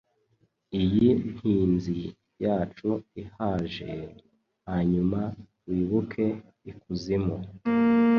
Iyi ntinzi yacu ihaje, hanyuma wibuke ikuzimu